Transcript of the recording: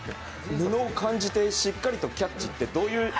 布を感じてしっかりとキャッチってどういう？